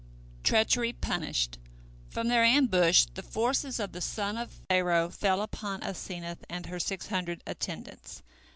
TREACHERY PUNISHED From their ambush the forces of the son of Pharaoh fell upon Asenath and her six hundred attendants.